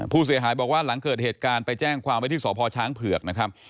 ผู้เสียหายบอกว่าหลังเกิดเหตุการณ์ไปแจ้งความไว้ที่สพช้างเผือกนะครับ